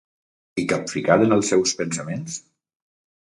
I capficat en els seus pensaments?